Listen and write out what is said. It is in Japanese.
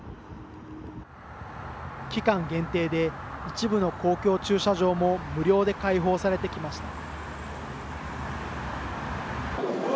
期間限定で一部の公共駐車場も無料で開放されてきました。